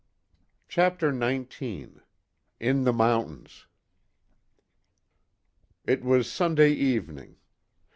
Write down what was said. CHAPTER XIX IN THE MOUNTAINS It was Sunday evening.